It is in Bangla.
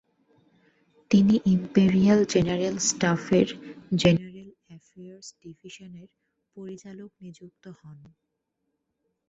তিনি ইম্পেরিয়াল জেনারেল স্টাফের জেনারেল এফেয়ার্স ডিভিশনের পরিচালক নিযুক্ত হন।